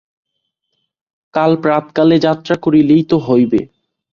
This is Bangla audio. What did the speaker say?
কাল প্রাতঃকালে যাত্রা করিলেই তো হইবে।